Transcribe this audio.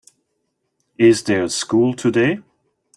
Is there school today?